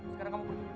sekarang kamu pergi